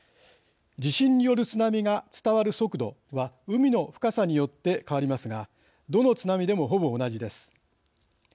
地震による津波が伝わる速度は海の深さによって変わりますがどの津波でもほぼ同じです。